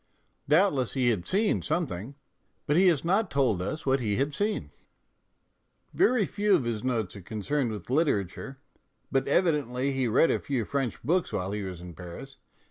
Doubtless he had seen something, but he has not told us what he had seen. CONVERSATIONAL MISERS 285 Vcrv few of his notes are concerned with */ literature, but evidently he read a few French books while he was in Paris.